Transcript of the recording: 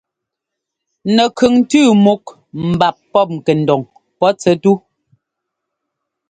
Nɛkʉŋ tʉ́ múk mbap pɔ́p ŋkɛndoŋ pɔ́ tsɛt tú.